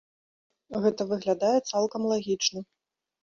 Гэта выглядае цалкам лагічна.